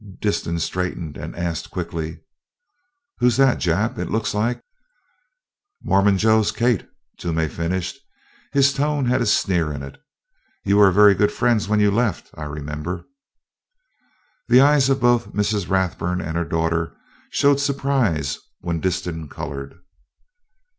Disston straightened and asked quickly: "Who's that, Jap? It looks like " "Mormon Joe's Kate," Toomey finished. His tone had a sneer in it. "You were very good friends when you left, I remember." The eyes of both Mrs. Rathburn and her daughter showed surprise when Disston colored.